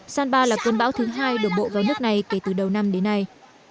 sanba là cơn bão thứ hai đổ bộ vào nước này kể từ đầu năm đến nay